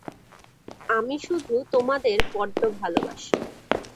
আমি শুধু তোমাদের বড্ড ভালোবাসি।